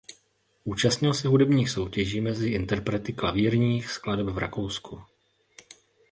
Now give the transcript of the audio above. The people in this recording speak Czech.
Účastnil se hudebních soutěží mezi interprety klavírních skladeb v Rakousku.